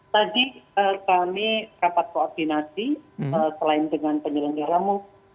tadi kami dapat koordinasi selain dengan penyelenggara muk